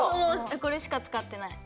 これしか使ってない。